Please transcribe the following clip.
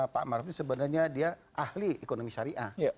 pak maruf ini sebenarnya dia ahli ekonomi syariah